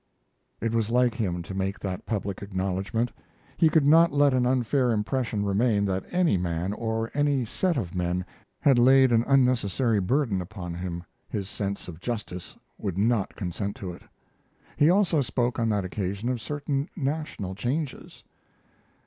It was like him to make that public acknowledgment. He could not let an unfair impression remain that any man or any set of men had laid an unnecessary burden upon him his sense of justice would not consent to it. He also spoke on that occasion of certain national changes.